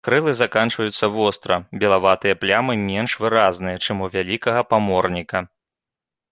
Крылы заканчваюцца востра, белаватыя плямы менш выразныя, чым у вялікага паморніка.